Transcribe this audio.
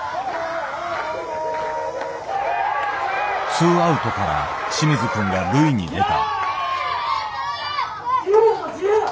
２アウトから清水くんが塁に出た。